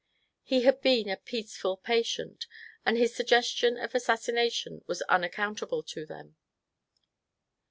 He had been a peaceful patient, and his suggestion of assassi nation was unaccountable to them.